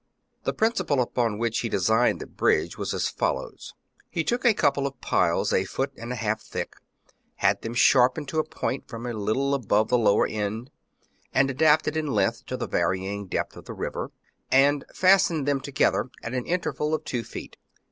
The principle upon which he designed the bridge was as follows. He took a couple of piles a foot and a half thick, had them sharpened to a point from a little above the lower end and adapted in length to the varying depth of the river, and fastened them together at an interval of two feet.